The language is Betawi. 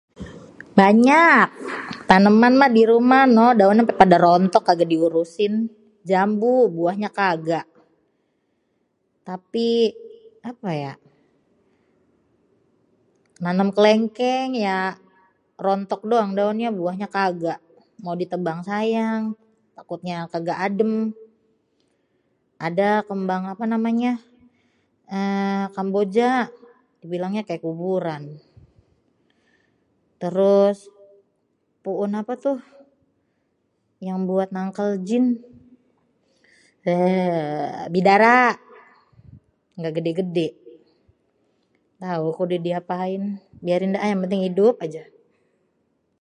Banyak taneman mah dirumah noh daonnye ampe pada rontok ga diurusin. Jambu buahnya kaga tapi apa ya nanem kelengkeng ya rontok doang daonnya buahnya kaga, mau ditebang sayang takutnya kagak adem. Ada kembang apa namanya uhm kamboja dibilang nya kayak kuburan, terus pu'un apa tu yang buat nangkal jin, Pohon Bidara gak gede gede. Tau ah kudu diapain biarin ah yang penting idup aja.